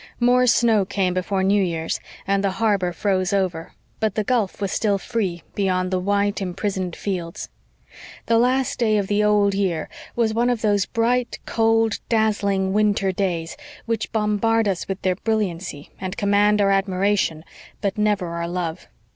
More snow came before New Year's, and the harbor froze over, but the gulf still was free, beyond the white, imprisoned fields. The last day of the old year was one of those bright, cold, dazzling winter days, which bombard us with their brilliancy, and command our admiration but never our love.